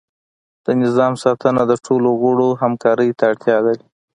د نظام ساتنه د ټولو غړو همکاری ته اړتیا لري.